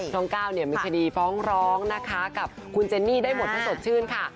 ก้าวเนี่ยมีคดีฟ้องร้องนะคะกับคุณเจนนี่ได้หมดถ้าสดชื่นค่ะ